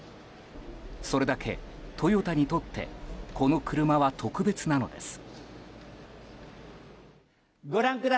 それだけトヨタにとってこの車は特別なのです。